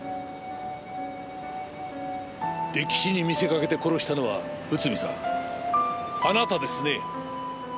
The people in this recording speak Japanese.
溺死に見せかけて殺したのは内海さんあなたですね。